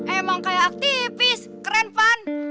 emang kayak aktivis keren van